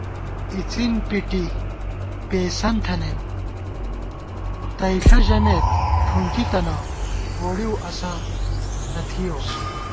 اڅِن پِٹی پېئیسَن تھنَئیم، تَئیݪہ ژَمېت ٹھُنکی تَنہ ووڑِؤ اسہ تہ تھِیَؤ